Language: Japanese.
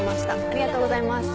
ありがとうございます。